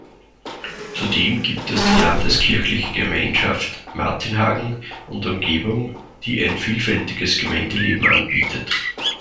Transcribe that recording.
Zudem gibt es die Landeskirchliche Gemeinschaft Martinhagen und Umgebung, die ein vielfältiges Gemeindeleben anbietet.